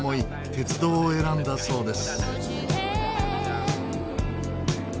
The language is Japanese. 鉄道を選んだそうです。